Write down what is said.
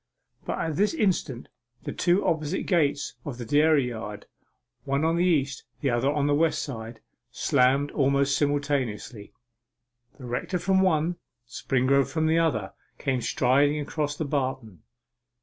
But at this instant the two opposite gates of the dairy yard, one on the east, the other on the west side, slammed almost simultaneously. The rector from one, Springrove from the other, came striding across the barton.